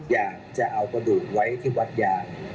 อยากจะเอากระดูกไว้ที่วัดยาง